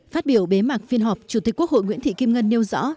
phát biểu bế mạc phiên họp chủ tịch quốc hội nguyễn thị kim ngân nêu rõ